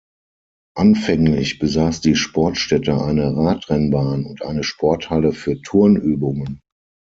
Anfänglich besaß die Sportstätte eine Radrennbahn und eine Sporthalle für Turnübungen.